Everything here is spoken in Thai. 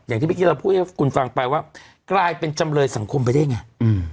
อย่างที่เมื่อกี้เราพูดให้คุณฟังไปว่ากลายเป็นจำเลยสังคมไปได้ไงอืม